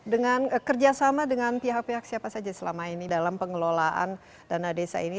dengan kerjasama dengan pihak pihak siapa saja selama ini dalam pengelolaan dana desa ini